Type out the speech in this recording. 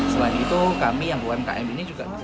selain itu kami yang umkm ini juga bisa